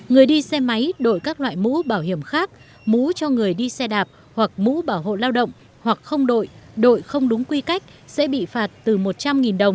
người đi xe máy đổi các loại mũ bảo hiểm khác mũ cho người đi xe đạp hoặc mũ bảo hộ lao động hoặc không đổi đổi không đúng quy cách sẽ bị phạt từ một trăm linh đồng đến hai trăm linh đồng